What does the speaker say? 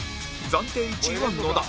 暫定１位は野田